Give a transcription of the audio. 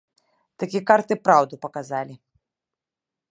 Такі карты праўду паказалі.